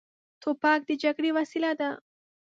توپک د جګړې وسیله ده.